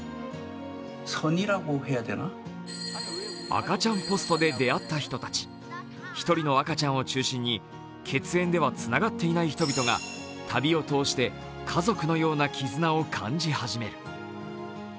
赤ちゃんポストで出会った人たち、１人の赤ちゃんを中心に血縁ではつながっていない人々が旅を通して家族のような絆を感じ始める。